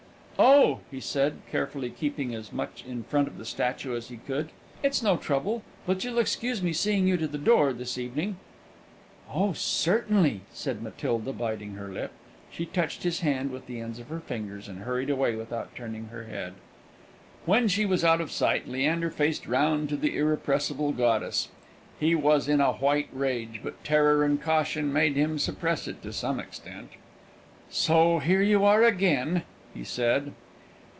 "Oh," he said, carefully keeping as much in front of the statue as he could, "it's no trouble; but you'll excuse me seeing you to the door this evening?" "Oh, certainly," said Matilda, biting her lip. She touched his hand with the ends of her fingers, and hurried away without turning her head. When she was out of sight, Leander faced round to the irrepressible goddess. He was in a white rage; but terror and caution made him suppress it to some extent. "So here you are again!" he said.